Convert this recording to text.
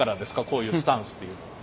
こういうスタンスっていうのは。